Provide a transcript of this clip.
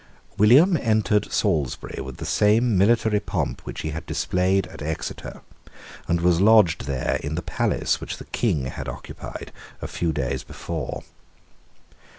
William entered Salisbury with the same military pomp which he had displayed at Exeter, and was lodged there in the palace which the King had occupied a few days before.